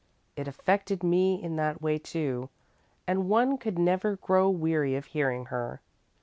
It affected me in that way, too, and one could never grow weary of hearing her.